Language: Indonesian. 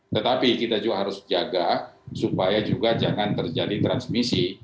tetapi kita juga harus jaga supaya juga jangan terjadi transmisi